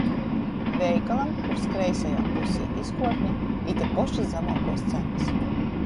Veikalam, kurs kreisajā pusī - izkuortne "Ite pošys zamuokuos cenys".